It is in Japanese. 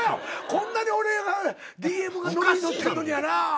こんなに俺がＤＭがのりにのってるのにやな。